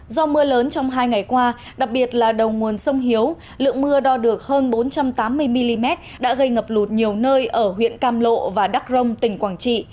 do mưa lớn trong hai ngày qua đặc biệt là đầu nguồn sông hiếu lượng mưa đo được hơn bốn trăm tám mươi mm đã gây ngập lụt nhiều nơi ở huyện cam lộ và đắc rông tỉnh quảng trị